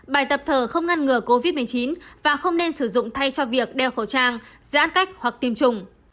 bài tập thở không ngăn ngừa covid một mươi chín và không nên sử dụng thay cho việc đeo khẩu trang giãn cách hoặc tiêm chủng